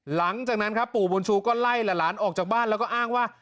หลังจากนั้นครับปู่บุญชูก็ไล่หลานออกจากบ้านแล้วก็อ้างว่า